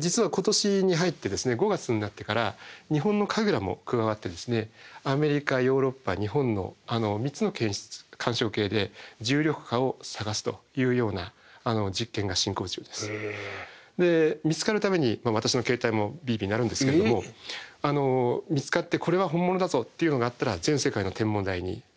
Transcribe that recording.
実は今年に入って５月になってから日本のＫＡＧＲＡも加わってアメリカヨーロッパ日本の３つの検出干渉計で重力波を探すというような実験が進行中です。で見つかる度に私の携帯もビービー鳴るんですけれども見つかってこれは本物だぞっていうのがあったら全世界の天文台に報告する。